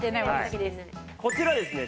こちらですね